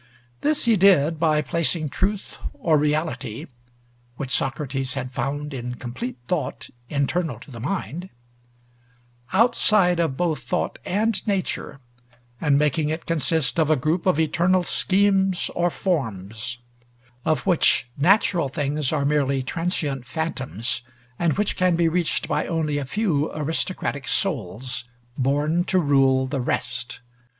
This he did by placing truth, or reality (which Socrates had found in complete thought, internal to the mind), outside of both thought and nature, and making it consist of a group of eternal schemes, or forms, of which natural things are merely transient phantoms, and which can be reached by only a few aristocratic souls, born to rule the rest.